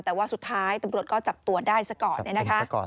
แต่ว่าสุดท้ายตำรวจก็จับตัวได้สก่อน